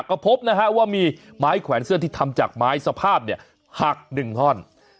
ก็พบนะฮะว่ามีไม้แขวนเสื้อที่ทำจากไม้สภาพเนี่ยหักหนึ่งท่อน